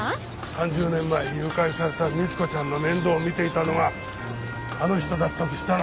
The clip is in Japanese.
３０年前誘拐された光子ちゃんの面倒を見ていたのがあの人だったとしたら。